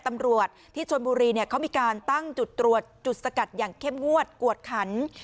ตำรวจที่ชนบุรีเขามีการตั้งจุดตรวจจุดสกัดอย่างเข้มงวดกวดขัน